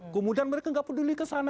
kemudian mereka gak peduli kesana